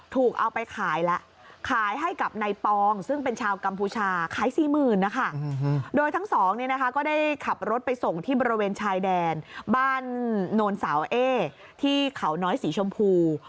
ถูกเอาไปขายแล้วขายให้กับในปองซึ่งเป็นชาวกัมพูชาขายสี่หมื่นนะคะโดยทั้งสองเนี่ยนะคะก็ได้ขับรถไปส่งที่บริเวณชายแดนบ้านโนนสาวเอที่เขาน้อยสีชมพู